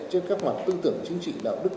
trên các mặt tư tưởng chính trị đạo đức